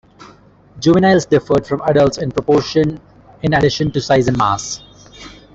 Juveniles differed from adults in proportion in addition to size and mass.